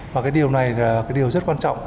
và cái điều này là cái điều rất quan trọng